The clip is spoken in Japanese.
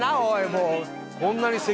もう。